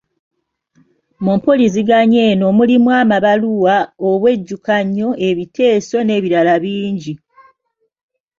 Mu mpuliziganya eno mulimu amabaluwa, obwejjukanyo, ebiteeso n'ebirala bingi.